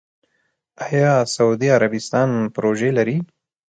آیا سعودي عربستان پروژې لري؟